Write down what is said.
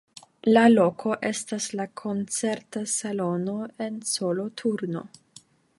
La loko estas la koncerta salono en Soloturno.